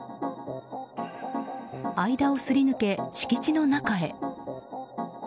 間をすり抜け、敷地の中へ。